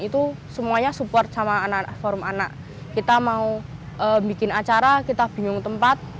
itu semuanya support sama anak anak forum anak kita mau bikin acara kita bingung tempat